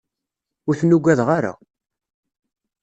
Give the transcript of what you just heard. Ur ten-ugadeɣ ara.